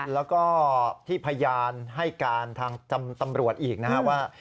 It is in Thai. แล้วก็ที่พยานให้การทางจำตำรวจอีกนะครับว่า